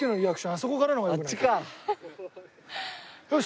あそこから。